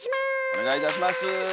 お願いいたします。